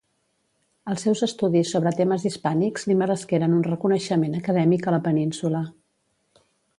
Els seus estudis sobre temes hispànics li meresqueren un reconeixement acadèmic a la península.